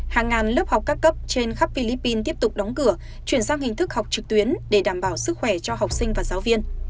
hàng ngàn lớp học các cấp trên khắp philippines tiếp tục đóng cửa chuyển sang hình thức học trực tuyến để đảm bảo sức khỏe cho học sinh và giáo viên